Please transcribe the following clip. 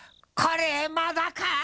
「これまだか！」